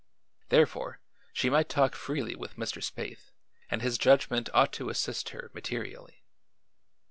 Therefore she might talk freely with Mr. Spaythe and his judgment ought to assist her materially.